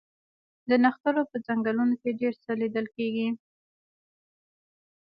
د نښترو په ځنګلونو کې ډیر څه لیدل کیږي